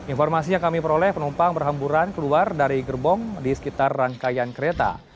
informasi yang kami peroleh penumpang berhamburan keluar dari gerbong di sekitar rangkaian kereta